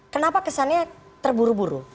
kenapa kesannya terburu buru